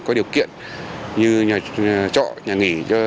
có điều kiện như nhà trọ nhà nghỉ